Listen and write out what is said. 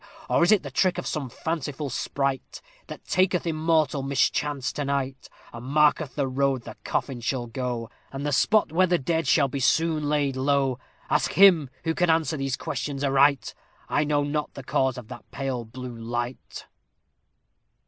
Or is it the trick of some fanciful sprite, That taketh in mortal mischance delight, And marketh the road the coffin shall go, And the spot where the dead shall be soon laid low? Ask him who can answer these questions aright; I know not the cause of that pale blue light!